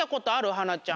はなちゃん。